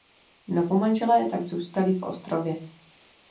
Novomanželé tak zůstali v Ostrově.